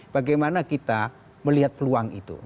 bagaimana kita melihat peluang itu